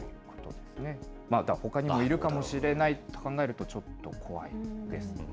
だから、ほかにもいるかもしれないと考えると、ちょっと怖いですね。